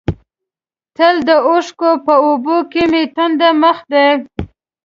تل د اوښکو په اوبو کې مې تندر مخ دی.